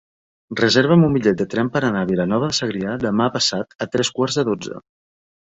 Reserva'm un bitllet de tren per anar a Vilanova de Segrià demà passat a tres quarts de dotze.